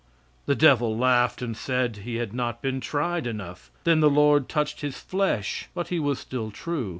The devil laughed and said that he had not been tried enough. Then the Lord touched his flesh, but he was still true.